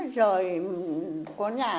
rồi có nhà